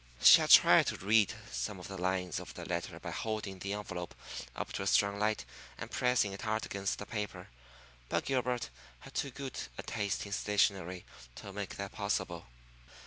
She had tried to read some of the lines of the letter by holding the envelope up to a strong light and pressing it hard against the paper, but Gilbert had too good a taste in stationery to make that possible.